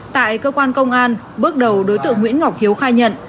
tại cơ quan công an bước đầu đối tượng nguyễn ngọc hiếu khai nhận